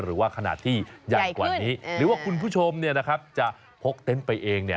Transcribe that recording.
หรือว่าขนาดที่ใหญ่กว่านี้หรือว่าคุณผู้ชมจะพกเต็นต์ไปเองเนี่ย